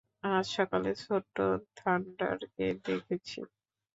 আজ সকালে ছোট্ট থান্ডারকে দেখেছি।